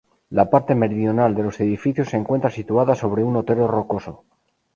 La parte meridional de los edificios se encuentra situada sobre un otero rocoso.